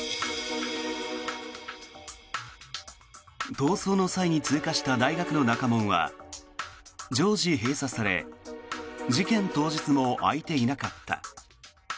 逃走の際に通過した大学の中門は常時閉鎖され事件当日も開いていなかった。